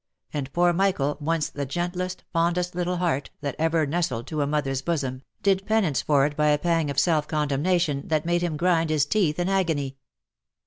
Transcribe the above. and poor Michael, once the gentlest, fondest little heart, that ever nestled to a mother's bo som, did penance for it by a pang of self condemnation, that made him grind his teeth in agony.